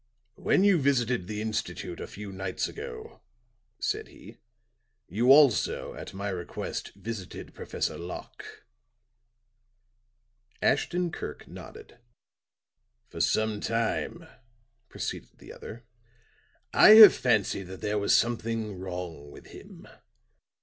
"When you visited the institute a few nights ago," said he, "you also, at my request, visited Professor Locke." Ashton Kirk nodded. "For some time," proceeded the other, "I have fancied that there was something wrong with him.